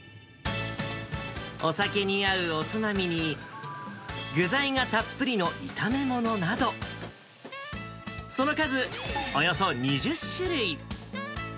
お酒に合うおつまみに、具材がたっぷりの炒め物などその数、およそ２０種類。